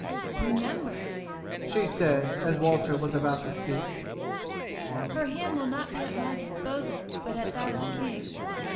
Remember," she said, as Walter was about to speak, "her hand will not be at my disposal, but at that of the king.